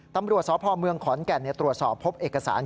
ตำรวจสพเมืองขอนแก่นตรวจสอบพบเอกสาร